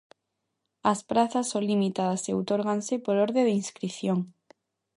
As prazas son limitadas e outorgaranse por orde de inscrición.